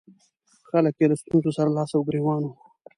خلک یې له ستونزو سره لاس او ګرېوان وو.